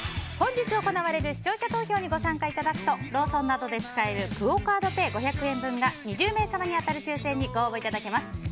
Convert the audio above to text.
本日行われる視聴者投票にご参加いただくとローソンなどで使えるクオ・カードペイ５００円分が２０名様に当たる抽選にご応募いただけます。